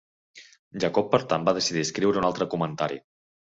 Jacob per tant va decidir escriure un altre comentari.